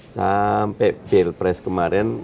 sampai bill press kemarin